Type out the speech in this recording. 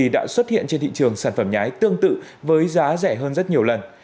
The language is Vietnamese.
đã xuất hiện trên thị trường sản phẩm nhái tương tự với giá rẻ hơn rất nhiều lần